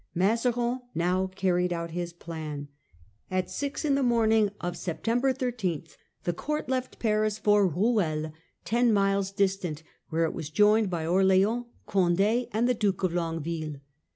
Mazarin now carried out his plan. At six in the morning of September 13 the court left Paris for Ruel, ten miles Departure of di stant > where it was joined by Orleans, Condd, the court, and the Duke of Longueville.